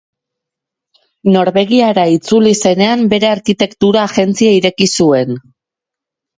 Norvegiara itzuli zenean, bere arkitektura agentzia ireki zuen.